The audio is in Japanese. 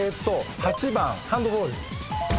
８番ハンドボール。